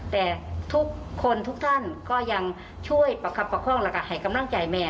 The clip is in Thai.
แต่ทุกคนทุกท่านก็ยังช่วยประคับประคองแล้วก็ให้กำลังใจแม่